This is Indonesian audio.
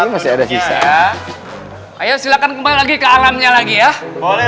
yang sudah silakan kembali ke tempatnya ya ayo silakan kembali lagi ke alamnya lagi ya boleh